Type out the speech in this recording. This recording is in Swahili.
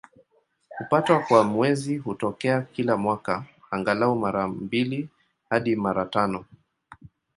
Kupatwa kwa Mwezi hutokea kila mwaka, angalau mara mbili hadi mara tano.